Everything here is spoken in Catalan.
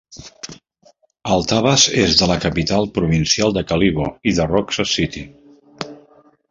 Altavas és de la capital provincial de Kalibo i de Roxas City.